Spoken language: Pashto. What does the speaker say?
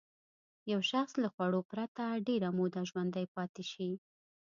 یو شخص له خوړو پرته ډېره موده ژوندی پاتې شي.